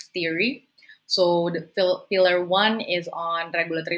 berada di dalam framework reguler